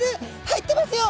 入ってますよ！